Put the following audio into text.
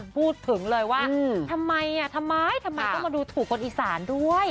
พูดถึงเลยว่าทำไมทำไมต้องมาดูถูกคนอีสานด้วย